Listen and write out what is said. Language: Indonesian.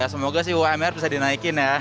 semoga sih umr bisa dinaikin ya